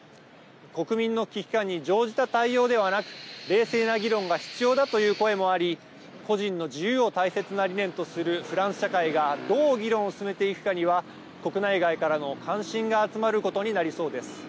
国民の危機感に乗じた対応ではなく冷静な議論が必要だという声もあり個人の自由を大切な理念とするフランス社会がどう議論を進めていくかには国内外からの関心が集まることになりそうです。